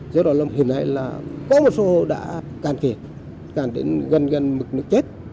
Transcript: do đó là hiện nay là có một số đã càng kể càng đến gần gần mực nước chết